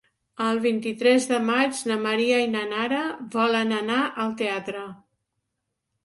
El vint-i-tres de maig na Maria i na Nara volen anar al teatre.